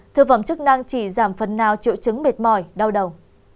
thực phẩm chức năng chỉ giảm phần nào triệu chứng mệt mỏi đau đầu